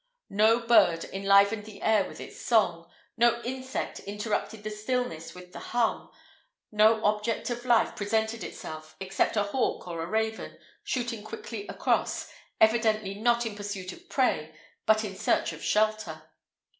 No bird enlivened the air with its song, no insect interrupted the stillness with the hum, no object of life presented itself, except a hawk or a raven, shooting quickly across, evidently not in pursuit of prey, but in search of shelter.